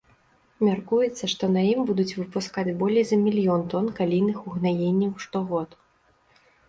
Мяркуецца, што на ім будуць выпускаць болей за мільён тон калійных угнаенняў штогод.